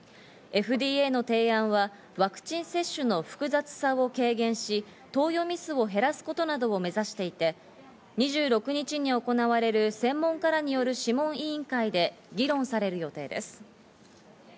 ＦＤＡの提案はワクチン接種の複雑さを軽減し、投与ミスを減らすことなどを目指していて、２６日に行われる専門家らによる諮問委員会で議論される予定です。